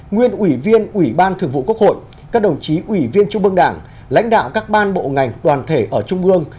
nguyên ủy viên ủy ban thường vụ quốc hội các đồng chí ủy viên trung bương đảng lãnh đạo các ban bộ ngành đoàn thể ở trung ương